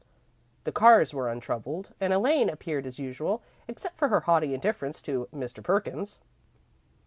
The Carrs were untroubled, and Elaine appeared as usual, except for her haughty indifference to Mr. Perkins.